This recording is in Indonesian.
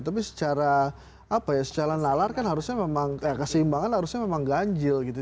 tapi secara apa ya secara nalar kan harusnya memang keseimbangan harusnya memang ganjil gitu